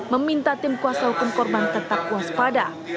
meminta tim kuasa hukum korban tetap kuas pada